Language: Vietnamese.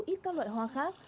ít các loại hoa khác